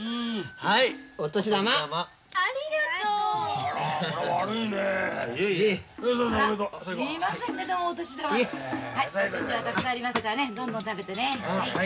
はいお寿司はたくさんありますからねどんどん食べてね。